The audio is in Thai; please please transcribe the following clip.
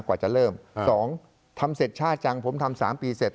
กว่าจะเริ่ม๒ทำเสร็จช่าจังผมทำ๓ปีเสร็จ